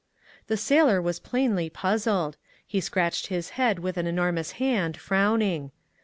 The sailor was plainly puzzled. He scratched his head with an enormous hand, frowning.